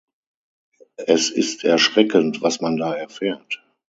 Es ist erschreckend, was man da erfährt.